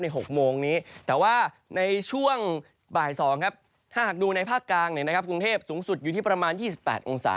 ๖โมงนี้แต่ว่าในช่วงบ่าย๒ครับถ้าหากดูในภาคกลางเนี่ยนะครับกรุงเทพสูงสุดอยู่ที่ประมาณ๒๘องศา